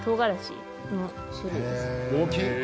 大きい！